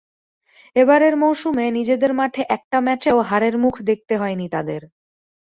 এবারের মৌসুমে নিজেদের মাঠে একটা ম্যাচেও হারের মুখ দেখতে হয়নি তাদের।